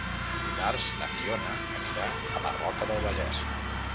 Dimarts na Fiona anirà a la Roca del Vallès.